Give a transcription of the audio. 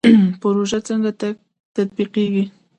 پروژه څنګه تطبیقیږي؟